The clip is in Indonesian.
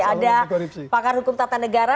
ada pakar hukum tata negara